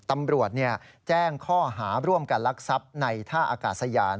ตำรวจแจ้งข้อหาร่วมกันลักทรัพย์ในท่าอากาศยาน